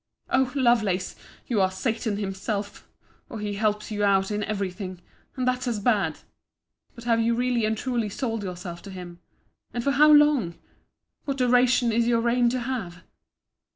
O Lovelace, you are Satan himself; or he helps you out in every thing; and that's as bad! But have you really and truly sold yourself to him? And for how long? What duration is your reign to have?